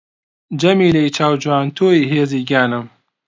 جەمیلەی چاو جوان تۆی هێزی گیانم